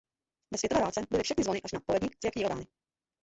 Ve světové válce byly všechny zvony až na „poledník“ zrekvírovány.